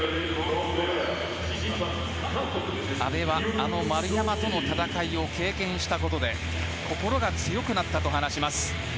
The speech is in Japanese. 阿部は丸山との戦いを経験したことで心が強くなったと話します。